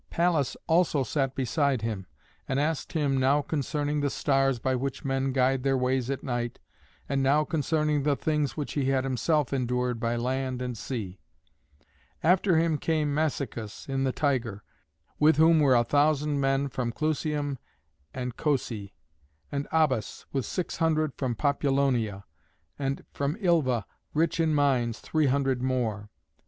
Pallas also sat beside him, and asked him, now concerning the stars by which men guide their ways at night, and now concerning the things which he had himself endured by land and sea. After him came Massicus, in the Tiger, with whom were a thousand men from Clusium and Cosæ; and Abas, with six hundred from Populonia; and from Ilva, rich in mines, three hundred more.